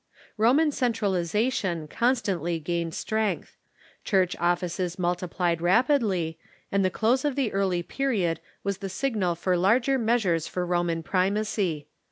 Roman centralization constantly gained strength. Church offices multiplied rapidly, and the close of the early period was the signal for larger measures for Roman primacy.